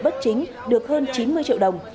bất chính được hơn chín mươi triệu đồng